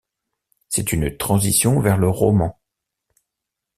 C'est une transition vers le roman.